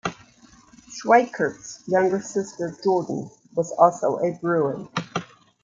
Schwikert's younger sister, Jordan, was also a Bruin.